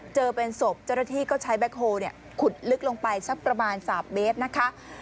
เจอเป็นศพเจ้าหน้าที่ก็ใช้แบ็คโฮลขุดลึกลงไปสักประมาณ๓เมตรนะคะ